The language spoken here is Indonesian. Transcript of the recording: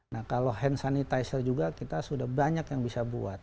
nah kalau hand sanitizer juga kita sudah banyak yang bisa buat